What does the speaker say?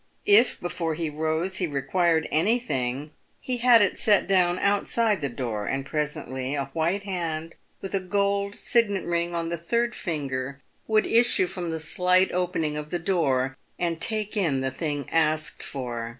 If, before he rose, he required anything, he had it set down outside the door, and presently a white hand, with a gold signet ring on the third finger, would issue from the slight opening of the door, and take in the thing asked for.